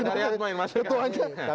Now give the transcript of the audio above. udah pak daryat main masukan